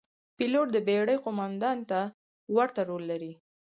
پیلوټ د بېړۍ قوماندان ته ورته رول لري.